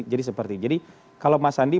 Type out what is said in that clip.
jadi seperti itu jadi kalau mas sandi